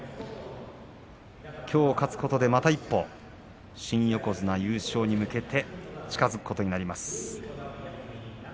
きょう勝つことでまた一歩新横綱優勝に向けて近づくことになります。